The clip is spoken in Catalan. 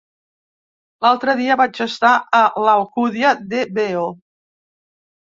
L'altre dia vaig estar a l'Alcúdia de Veo.